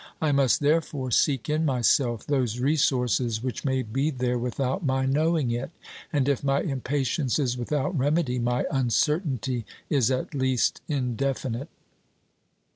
I must, therefore, seek in myself those resources which may be there without my knowing it, and if my impatience is without remedy, my uncertainty is at least indefinite.